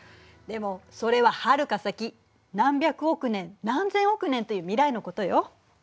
でもそれははるか先何百億年何千億年という未来のことよ。